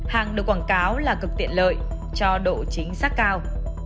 hàng được quảng cáo là cực tiện lợi cho độ chính xác cao